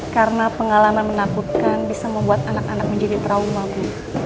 karena pengalaman menakutkan bisa membuat anak anak menjadi trauma bu